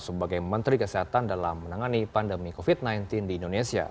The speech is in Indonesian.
sebagai menteri kesehatan dalam menangani pandemi covid sembilan belas di indonesia